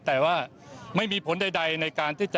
แต่ว่าไม่มีผลใดในการที่จะ